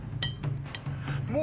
もう。